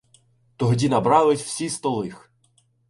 Тогді набрались всі сто лих!